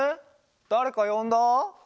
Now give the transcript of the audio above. だれかよんだ？